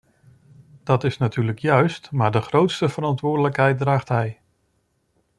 Dat is natuurlijk juist, maar de grootste verantwoordelijkheid draagt hij!